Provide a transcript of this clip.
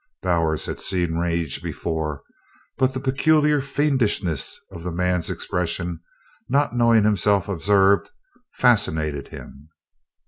Bowers had seen rage before, but the peculiar fiendishness of the man's expression, not knowing himself observed, fascinated him.